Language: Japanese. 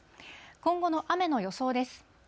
今後の雨の予想です。